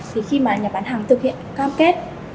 thì khi mà nhà bán hàng thực hiện cam kết